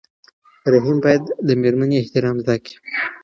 رحیم باید د مېرمنې احترام زده کړي.